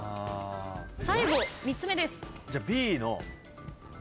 最後３つ目です。